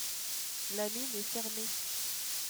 La mine est fermée.